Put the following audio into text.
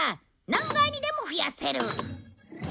何階にでも増やせる。